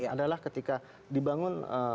adalah ketika dibangun